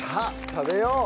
食べよう！